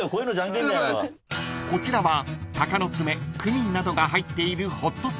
［こちらはタカノツメクミンなどが入っているホットスパイス］